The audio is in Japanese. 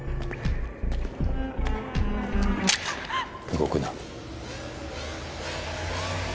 動くな。